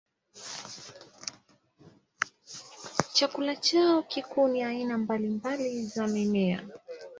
Chakula chao kikuu ni aina mbalimbali za mimea.